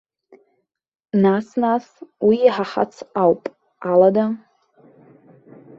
Нас, нас, уи иҳаҳац ауп, алада?!